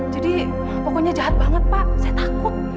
jadi pokoknya jahat banget pak saya takut